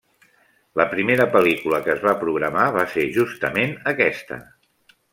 La primera pel·lícula que es va programar va ser justament aquesta.